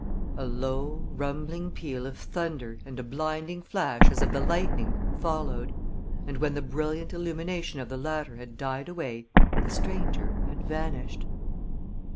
A low, rumbling peal of thunder and a blinding flash as of the lightning followed, and when the brilliant illumination of the latter had died away the stranger had vanished.